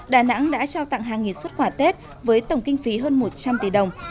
đà nẵng đã trao tặng hàng nghìn xuất quả tết với tổng kinh phí hơn một trăm linh tỷ đồng